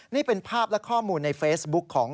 นี่เป็นภาพและข้อมูลในเฟซบุ๊คของ